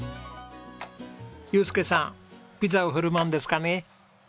祐介さんピザを振る舞うんですかね？